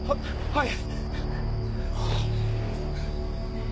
はい。